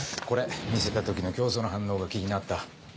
これ見せた時の教祖の反応が気になった。